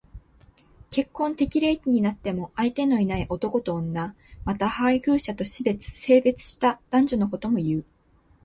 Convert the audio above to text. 結婚適齢期になっても相手のいない男と女。また、配偶者と死別、生別した男女のことも言う。